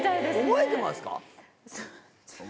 覚えてますか？